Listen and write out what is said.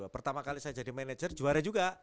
pertama kali saya jadi manajer juara juga